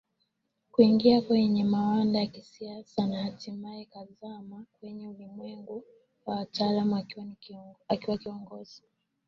kuingia kwenye mawanda ya Kisiasa na hatimae kuzama kwenye ulimwengu wa wanataaluma akiwa kiongozi